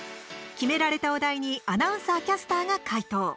決められたお題にアナウンサー、キャスターが回答。